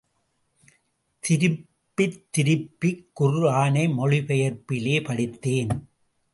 திருப்பித் திருப்பிக் குர் ஆனை மொழி பெயர்ப்பிலே படித்தேன்.